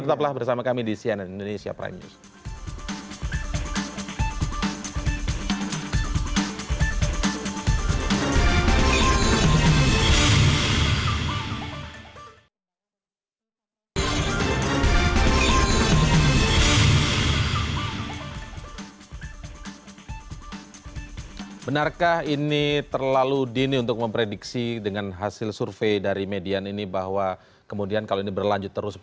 tetaplah bersama kami di cnn indonesia prime news